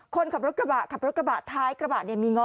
คนขับรถกระบะขับรถกระบะท้ายกระบะเนี่ยมีง้อ